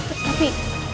eh eh tapi